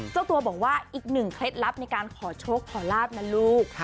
เจ้าตัวบอกว่าอีกหนึ่งเคล็ดลับในการขอโชคขอลาบนะลูก